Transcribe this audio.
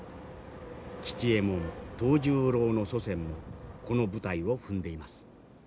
吉右衛門藤十郎の祖先もこの舞台を踏んでいます。